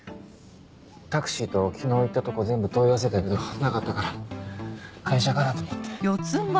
タクシーと昨日行ったとこ全部問い合わせたけどなかったから会社かなと思って。